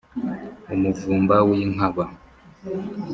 Umuvumba w’inkaba